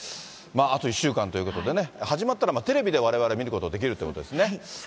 あと１週間ということでね、始まったらテレビでわれわれ、見ることできるということですね。